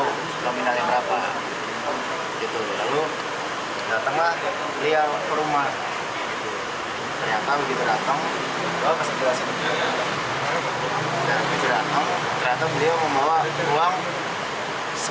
harus ditanyakan harus ditanyakan